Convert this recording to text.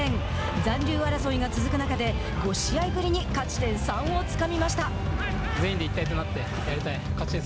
残留争いが続く中で５試合ぶりに勝ち点３をつかみました。